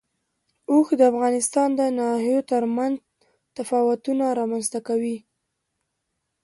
اوښ د افغانستان د ناحیو ترمنځ تفاوتونه رامنځ ته کوي.